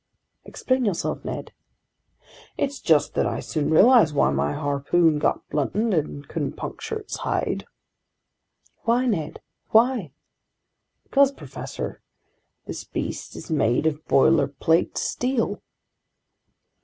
"Explain yourself, Ned." "It's just that I soon realized why my harpoon got blunted and couldn't puncture its hide." "Why, Ned, why?" "Because, professor, this beast is made of boilerplate steel!"